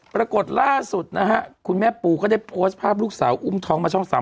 ปรากฏล่าสุดนะฮะคุณแม่ปูก็ได้โพสต์ภาพลูกสาวอุ้มท้องมาช่อง๓